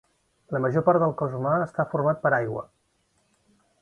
La major part del cos humà està format per aigua.